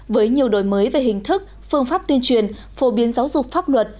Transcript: với nhiều đổi mới về hình thức phương pháp tuyên truyền phổ biến giáo dục pháp luật